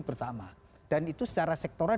bersama dan itu secara sektoral